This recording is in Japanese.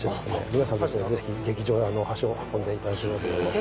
皆さんもぜひ劇場へ足を運んでいただければと思います